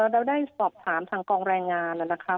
เราได้สอบถามทางกองแรงงานนะคะ